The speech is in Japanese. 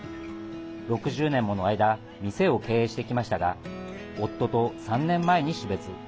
６０年もの間店を経営してきましたが夫と３年前に死別。